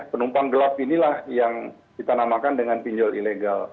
penumpang gelap inilah yang kita namakan dengan pinjol ilegal